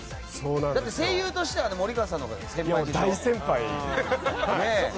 だって声優としては森川さんのほうが先輩でしょ。